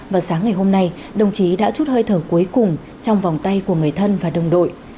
và sáng ngày hôm nay đồng chí đã chút hơi thở cuối cùng trong vòng tay của người thân và đồng đội